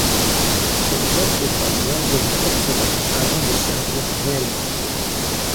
Cette classe de croiseur devint obsolète avant de servir réellement.